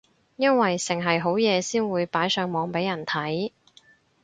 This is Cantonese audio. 因為剩係好嘢先會擺上網俾人睇